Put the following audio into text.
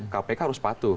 kpk harus patuh